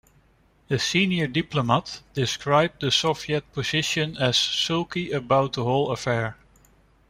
A senior diplomat described the Soviet position as "sulky about the whole affair".